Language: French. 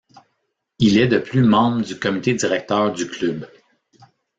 Il est de plus membre du comité directeur du club.